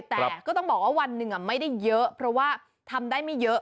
แต่ก็ต้องบอกว่าวันหนึ่งไม่ได้เยอะเพราะว่าทำได้ไม่เยอะ